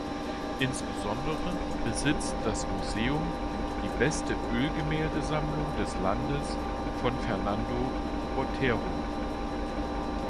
Insbesondere besitzt das Museum die beste Ölgemälde-Sammlung des Landes von Fernando Botero.